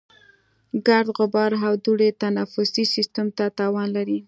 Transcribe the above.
ګرد، غبار او دوړې تنفسي سیستم ته تاوان لري.